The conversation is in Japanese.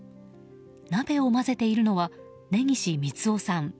鍋を混ぜているのは根岸三男さん。